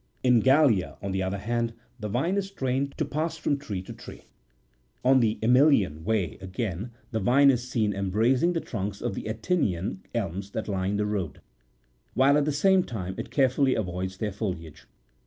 In Gallia, on the other hand, the vine is trained to pass from tree to tree. On the iEmilian Way, again, the vine is seen em bracing the trunks of the Atinian elms that line the road, while at the same time it carefully avoids their foliage.